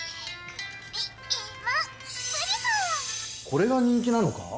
これが人気なのか？